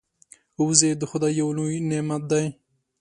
وزې د خدای یو لوی نعمت دی